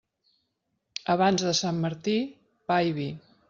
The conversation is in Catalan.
Abans de Sant Martí, pa i vi.